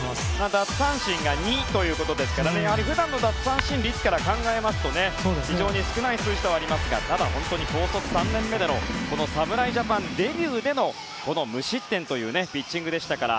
奪三振が２ということですから普段の奪三振率から考えますと非常に少ない数字ではありますが高卒３年目でのこの侍ジャパンデビューで無失点というピッチングでしたから。